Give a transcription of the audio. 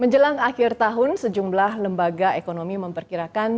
menjelang akhir tahun sejumlah lembaga ekonomi memperkirakan